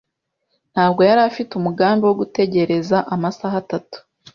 Ntabwo yari afite umugambi wo gutegereza amasaha atatu.